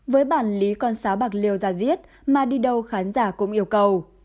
với bản lý con xá bạc liêu ra diết mà đi đâu khán giả cũng yêu cầu